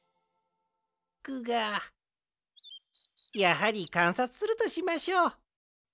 グガやはりかんさつするとしましょう。